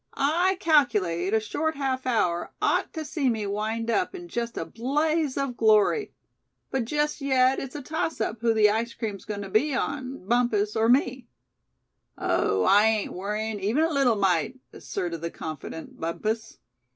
I calculate a short half hour ought to see me wind up in just a blaze of glory. But just yet it's a toss up who the ice cream's going to be on, Bumpus or me." "Oh! I ain't worrying even a little mite," asserted the confident Bumpus.